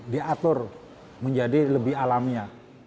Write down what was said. diatur menjadi lebih alamnya